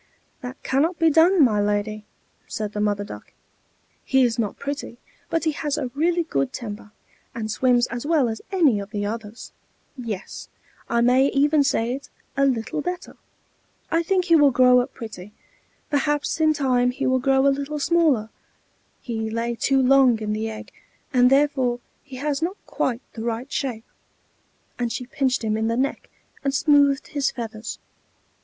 "That cannot be done, my lady," said the Mother Duck. "He is not pretty, but he has a really good temper, and swims as well as any of the others; yes, I may even say it, a little better. I think he will grow up pretty, perhaps in time he will grow a little smaller; he lay too long in the egg, and therefore he has not quite the right shape." And she pinched him in the neck, and smoothed his feathers.